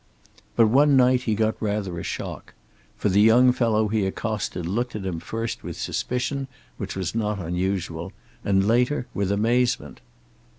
But one night he got rather a shock. For the young fellow he accosted looked at him first with suspicion, which was not unusual, and later with amazement.